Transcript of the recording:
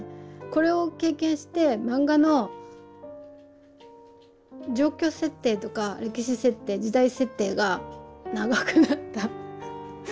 これを経験して漫画の状況設定とか歴史設定時代設定が長くなった。